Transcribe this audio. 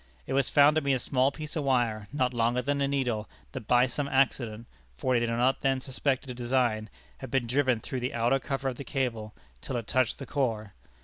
It was found to be a small piece of wire, not longer than a needle, that by some accident (for they did not then suspect a design) had been driven through the outer cover of the cable till it touched the core.